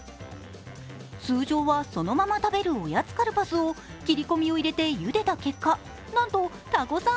通常はそのまま食べるおやつカルパスを切り込みを入れてゆでた結果、なんとたこさん